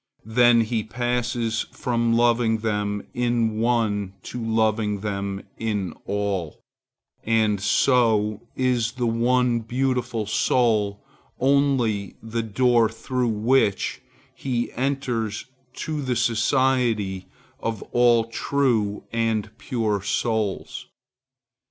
Then he passes from loving them in one to loving them in all, and so is the one beautiful soul only the door through which he enters to the society of all true and pure souls.